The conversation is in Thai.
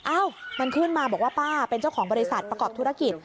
อ้าวมันขึ้นมาบอกว่าป้าเป็นเจ้าของบริษัทประกอบธุรกิจ